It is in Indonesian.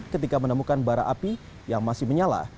ketika menemukan bara api yang masih menyala